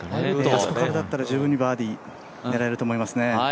あそこからだったら十分にバーディー狙えると思いますね。